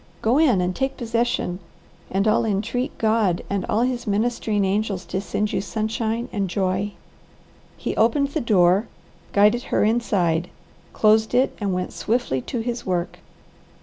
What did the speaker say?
Go in and take possession, and I'll entreat God and all His ministering angels to send you sunshine and joy." He opened the door, guided her inside, closed it, and went swiftly to his work.